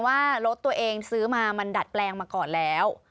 ว่ารถตัวเองซื้อมามันดัดแปลงมาก่อนแล้ว